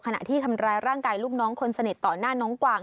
ขณะที่ทำร้ายร่างกายลูกน้องคนสนิทต่อหน้าน้องกวาง